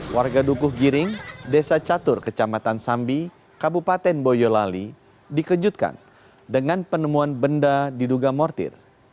warga dukuh giring desa catur kecamatan sambi kabupaten boyolali dikejutkan dengan penemuan benda diduga mortir